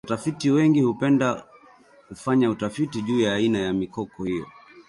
watafiti wengi hupenda kufanya utafiti juu ya aina ya mikoko hiyo